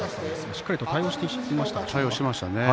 しっかり対応しましたね。